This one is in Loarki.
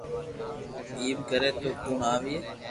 ايم ڪري تو ڪوڻ آوئي